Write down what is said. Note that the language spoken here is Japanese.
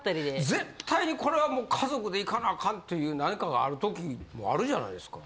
絶対にこれはもう家族で行かなあかんという何かがある時もあるじゃないですか。